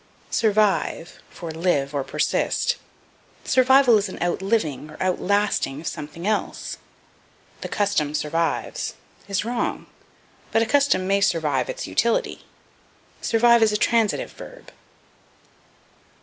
Survive for Live, or Persist. Survival is an outliving, or outlasting of something else. "The custom survives" is wrong, but a custom may survive its utility. Survive is a transitive verb.